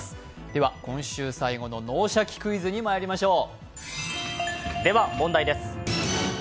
では今週最後の「脳シャキ！クイズ」にまいりましょう。